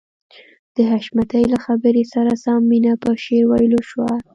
د حشمتي له خبرې سره سم مينه په شعر ويلو شوه.